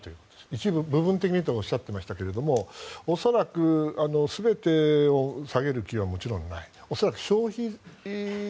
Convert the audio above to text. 一部、部分的にとおっしゃっていましたが恐らく、全てを下げる気はもちろんない。